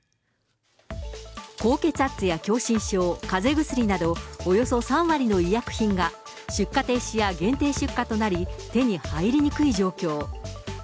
高血圧や狭心症、かぜ薬など、およそ３割の医薬品が、出荷停止や限定出荷となり、手に入りにくい状況。